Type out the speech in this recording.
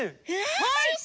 はい！